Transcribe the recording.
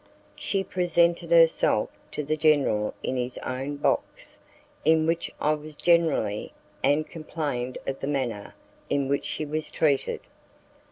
She presented herself to the general in his own box, in which I was generally, and complained of the manner in which she was treated.